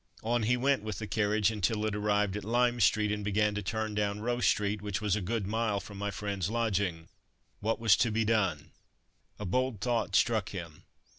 On he went with the carriage until it arrived at Lime street, and began to turn down Roe street, which was a good mile from my friend's lodgings. What was to be done? A bold thought struck him.